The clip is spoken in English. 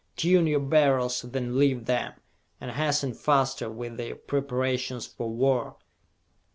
Tune your Beryls, then leave them, and hasten faster with your preparations for war!